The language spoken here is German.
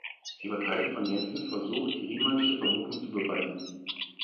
Sie war Teil von Jensens Versuch, die Riemannsche Vermutung zu beweisen.